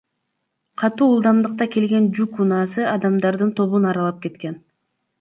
Катуу ылдамдыкта келген жүк унаасы адамдардын тобун аралап кеткен.